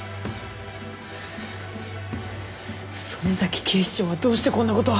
曽根崎警視長はどうしてこんなこと。